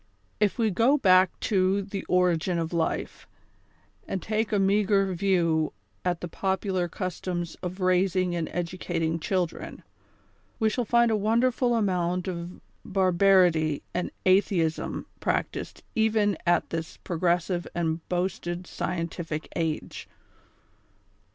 If we go back to " the origin of life,'''' and take a meagre view at the popular customs of raising and educating chil dren, we shall find a wonderful amount of barbarity and atheism practised even at this progressive and boasted sci entific age.